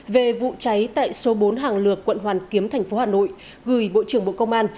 về vụ cháy tại số bốn hàng lược quận hoàn kiếm thành phố hà nội gửi bộ trưởng bộ công an